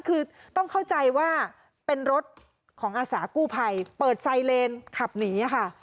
คือต้องเข้าใจว่าเป็นรถของอาสากู้ภัยเปิดไซเลนขับหนีค่ะ